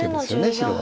白は。